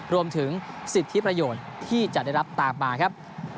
รวมถึงสิทธิประโยชน์ที่จะได้รับตามมาครับ